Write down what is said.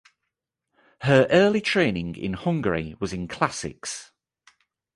Her early training in Hungary was in Classics.